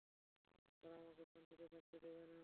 তারা আমাকে শান্তিতে থাকতে দেবে না।